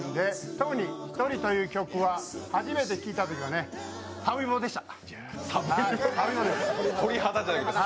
特に「ひとり」という曲は初めて聞いたとき、さぶいぼでした。